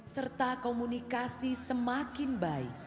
serta komunikasi semakin baik